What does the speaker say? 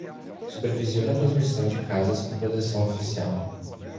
Supervisiona a transmissão de casas com proteção oficial.